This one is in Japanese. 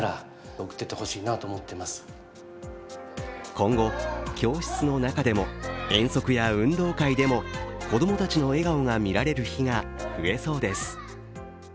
今後、教室の中でも遠足や運動会でも子供たちの笑顔が見られる日が増えそうです。